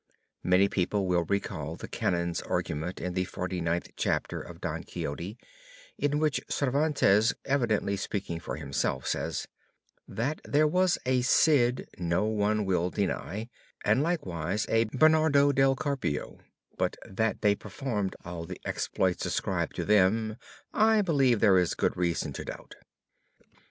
Many people will recall the Canons' argument in the forty ninth chapter of Don Quixote in which Cervantes, evidently speaking for himself, says: "That there was a Cid no one will deny and likewise a Bernardo Del Carpio, but that they performed all the exploits ascribed to them, I believe there is good reason to doubt."